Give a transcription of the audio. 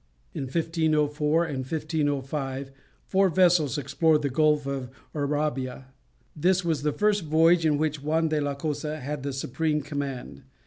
In 1504 and 1505 four vessels explored the Gulf of Urabia. This was the first voyage in which Juan de la Cosa had the supreme command.